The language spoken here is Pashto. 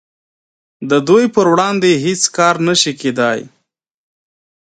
د دوی په وړاندې هیڅ کار نشي کیدای